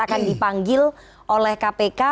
akan dipanggil oleh kpk